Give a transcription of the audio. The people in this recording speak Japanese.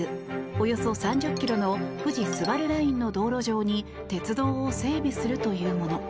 およそ３０ｋｍの富士スバルラインの道路上に鉄道を整備するというもの。